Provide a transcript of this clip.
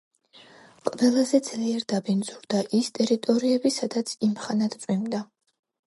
ყველაზე ძლიერ დაბინძურდა ის ტერიტორიები, სადაც იმხანად წვიმდა.